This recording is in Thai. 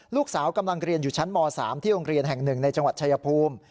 ลูกสาวกำลังเรียนอยู่ชั้นม๓ที่โรงเรียนแห่ง๑ในจังหวัดชายภูมิ